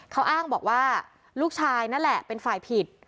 เขาอ้างบอกว่าลูกชายนั่นแหละเป็นฝ่ายผิด